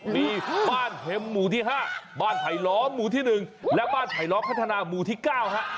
มีบ้านเห็มหมู่ที่๕บ้านไผลล้อมหมู่ที่๑และบ้านไผลล้อมพัฒนาหมู่ที่๙ฮะ